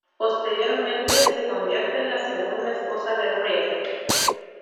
Posteriormente se convierte en la segunda esposa de Read.